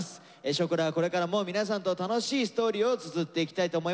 「少クラ」はこれからも皆さんと楽しいストーリーをつづっていきたいと思います。